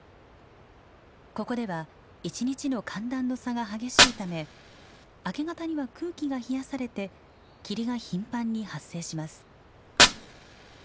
ここでは一日の寒暖の差が激しいため明け方には空気が冷やされて霧が頻繁に発生します。